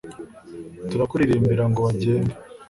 turakuririmbira, ngo bagende